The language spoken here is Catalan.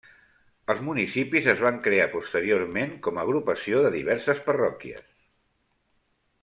Els municipis es van crear posteriorment com a agrupació de diverses parròquies.